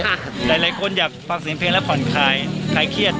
หลายคนอยากฟังเสียงเพลงแล้วผ่อนคลายคลายเครียด